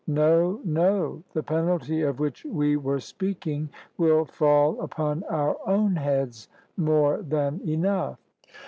No, no; the penalty of which we were speaking will fall upon our own heads more than enough.